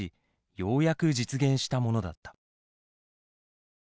ようやく実現したものだった。